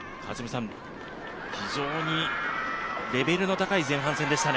非常にレベルの高い前半戦でしたね。